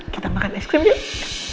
kita makan es krim yuk